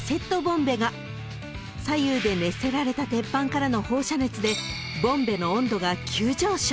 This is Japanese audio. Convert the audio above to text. ［左右で熱せられた鉄板からの放射熱でボンベの温度が急上昇］